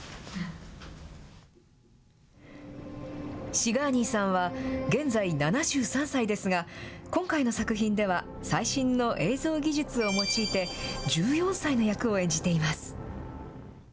シガーニーさんは、現在７３歳ですが、今回の作品では、最新の映像技術を用いて、１４歳の役を演じています。